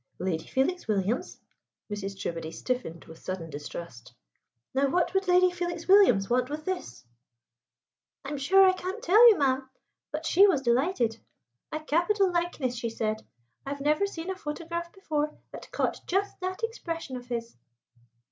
"Lady Felix Williams?" Mrs. Trewbody stiffened with sudden distrust. "Now, what would Lady Felix Williams want with this?" "I'm sure I can't tell you, ma'am: but she was delighted. 'A capital likeness,' she said; 'I've never seen a photograph before that caught just that expression of his.'"